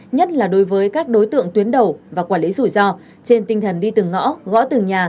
nhất là đối với các đối tượng tuyến đầu và quản lý rủi ro trên tinh thần đi từng ngõ gõ từng nhà